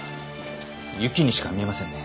雪にしか見えませんね。